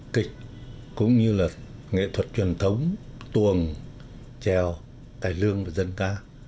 kịch cũng như là nghệ thuật truyền thống tuồng treo tài lương và dân ca